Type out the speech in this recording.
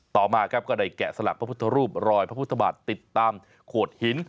ต่อมาครับก็ได้แกะสลักพระพุทธรูปรอยพระพุทธบาทติดตามโขดหิน